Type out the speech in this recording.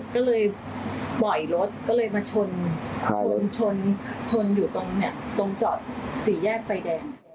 ปล่อยรถก็เลยมาชนชนชนชนอยู่ตรงเนี่ยตรงจอดสีแยกใบแดง